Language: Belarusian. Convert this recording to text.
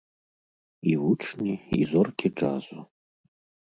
І вучні, і зоркі джазу.